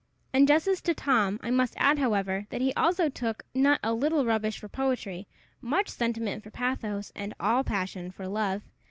In justice to Tom, I must add, however, that he also took not a little rubbish for poetry, much sentiment for pathos, and all passion for love.